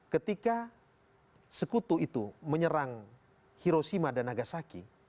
ketika sekutu itu menyerang hiroshima dan nagasaki